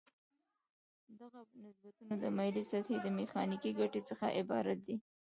دغه نسبتونه د مایلې سطحې د میخانیکي ګټې څخه عبارت دي.